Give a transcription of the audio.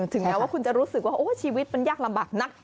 แม้ว่าคุณจะรู้สึกว่าชีวิตมันยากลำบากนัก